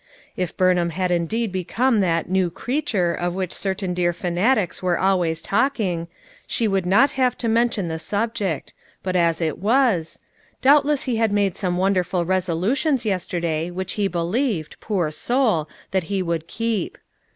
If Burnham had indeed become that "new creature" of which certain dear fanatics were always talking, she would not have to mention the subject; but as it was — Doubtless he had made some wonderful resolutions yesterday which he believed, poor soul 1 that he would keep.